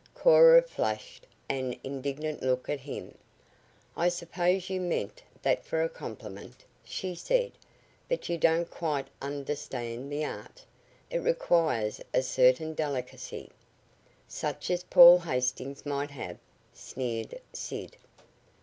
Cora flashed an indignant look at him. "I suppose you meant that for a compliment," she said, "but you don't quite understand the art. It requires a certain delicacy " "Such as Paul Hastings might have," sneered Sid.